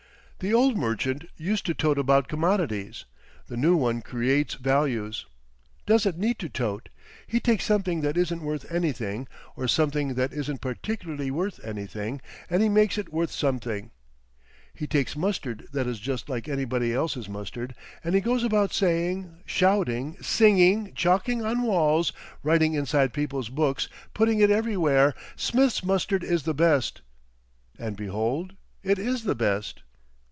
The old merchant used to tote about commodities; the new one creates values. Doesn't need to tote. He takes something that isn't worth anything—or something that isn't particularly worth anything—and he makes it worth something. He takes mustard that is just like anybody else's mustard, and he goes about saying, shouting, singing, chalking on walls, writing inside people's books, putting it everywhere, 'Smith's Mustard is the Best.' And behold it is the best!"